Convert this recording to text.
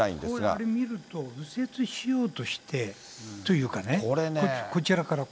あれ見ると、右折しようとしてというかね。